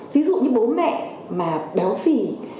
ví dụ như bố mẹ mà béo phì